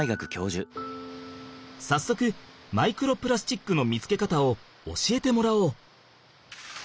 さっそくマイクロプラスチックの見つけ方を教えてもらおう。